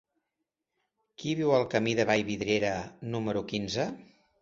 Qui viu al camí de Vallvidrera número quinze?